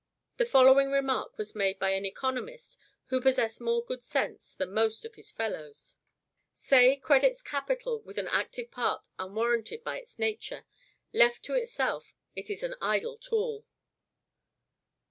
The following remark was made by an economist who possessed more good sense than most of his fellows: "Say credits capital with an active part unwarranted by its nature; left to itself, it is an idle tool."